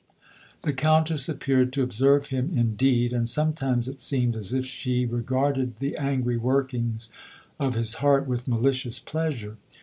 The Countess appeared to observe him in deed, and sometimes it seemed as if she re garded the angry workings of his heart with malicious pleasure.